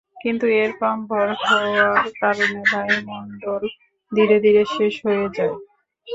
কিন্তু এর কম ভর হওয়ার কারণে বায়ুমন্ডল ধীরে ধীরে শেষ হয়ে যায়।